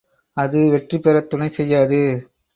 அது வெற்றிபெறத் துணைசெய்யாது.